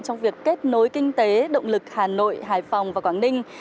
trong việc kết nối kinh tế động lực hà nội hải phòng và quảng ninh